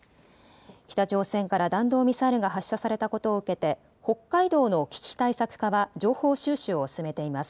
北朝鮮から弾道ミサイルが発射されたことを受けて北海道の危機対策課は情報収集を進めています。